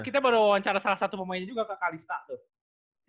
kita baru wawancara salah satu pemainnya juga ke kalista tuh